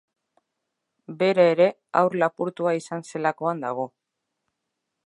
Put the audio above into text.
Bera ere, haur lapurtua izan zelakoan dago.